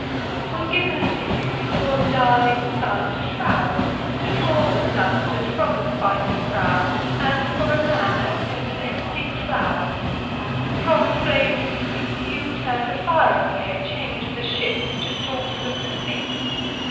'Twas giv'n to you, your darling son to shroud, To draw the dastard from the fighting crowd, And, for a man, obtend an empty cloud. From flaming fleets you turn'd the fire away, And chang'd the ships to daughters of the sea.